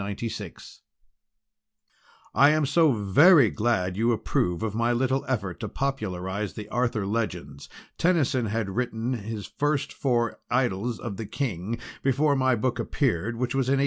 "DEAR , "I am so very glad you approve of my little effort to popularise the Arthur Legends. Tennyson had written his first four 'Idylls of the King' before my book appeared, which was in 1861.